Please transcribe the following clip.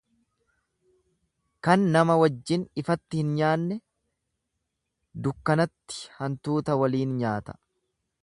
Kan nama wajjin ifatti hin nyaanne dukkanatti hantuuta waliin nyaata.